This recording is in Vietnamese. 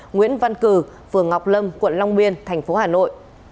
nguyễn văn cử phường ngọc lâm quận long biên thành phố hà nội